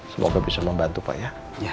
semoga bisa membantu pak ya